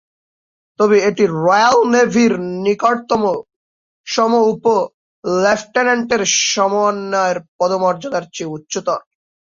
তবে এটি রয়্যাল নেভির নিকটতম সম -উপ-লেফটেন্যান্টের সমমানের পদমর্যাদার চেয়ে উচ্চতর।